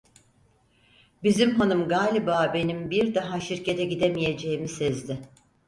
Bizim hanım galiba benim bir daha şirkete gidemeyeceğimi sezdi…